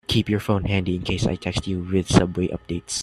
Keep your phone handy in case I text you with subway updates.